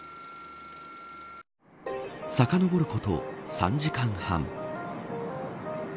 さかのぼること、３時間半。